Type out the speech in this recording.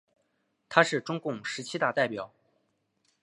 他是中共十七大代表。